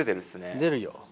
出るよ。